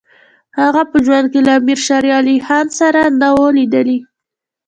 هغه په ژوند کې له امیر شېر علي خان سره نه وو لیدلي.